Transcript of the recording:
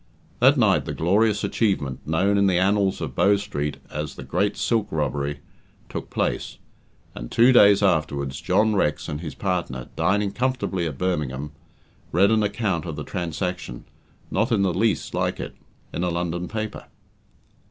That night the glorious achievement known in the annals of Bow Street as "The Great Silk Robbery" took place, and two days afterwards John Rex and his partner, dining comfortably at Birmingham, read an account of the transaction not in the least like it in a London paper.